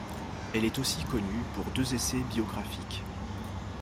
Elle est aussi connue pour deux essais biographiques.